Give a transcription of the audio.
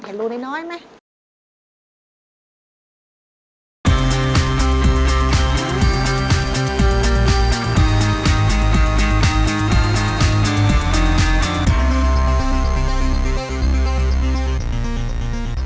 เห็นรูน้อยไหม